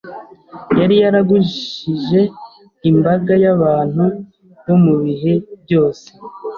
yari yaragushije imbaga y’abantu bo mu bihe byose